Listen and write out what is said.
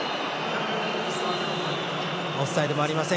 オフサイドもありません。